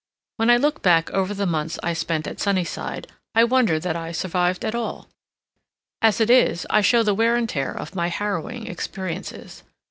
When I look back over the months I spent at Sunnyside, I wonder that I survived at all. As it is, I show the wear and tear of my harrowing experiences.